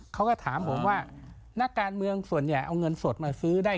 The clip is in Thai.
เขาก็ถามผมว่านักการเมืองส่วนใหญ่เอาเงินสดมาซื้อได้